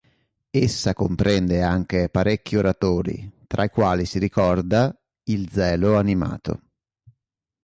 Essa comprende anche parecchi oratori, tra i quali si ricorda "Il zelo animato".